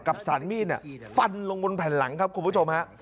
สารมีดฟันลงบนแผ่นหลังครับคุณผู้ชมฮะ